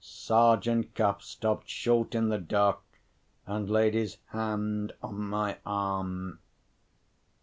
Sergeant Cuff stopped short in the dark, and laid his hand on my arm.